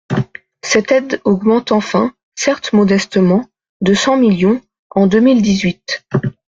Cette aide augmente enfin, certes modestement, de cent millions, en deux mille dix-huit.